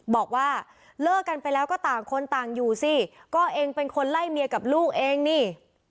บอกว่าเลิกกันไปแล้วก็ต่างคนต่างอยู่สิก็เองเป็นคนไล่เมียกับลูกเองนี่